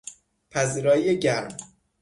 پذیرایی گرم